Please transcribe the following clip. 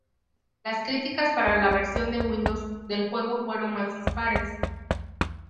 Las críticas para la versión de Windows del juego fueron más dispares.